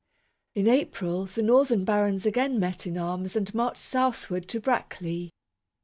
In April, the northern barons again met in arms and marched southward to Brackley.